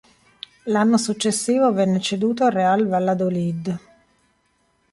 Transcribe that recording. L'anno successivo venne ceduto al Real Valladolid.